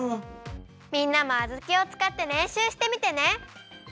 みんなもあずきをつかってれんしゅうしてみてね！